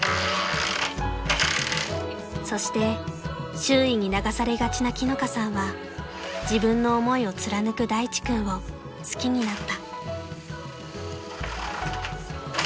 ［そして周囲に流されがちな樹乃香さんは自分の思いを貫く大地君を好きになった］